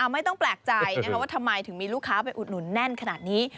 ไม่ต้องแปลกใจว่าทำไมถึงมีลูกค้าไปอุดหนุนแน่นขนาดนี้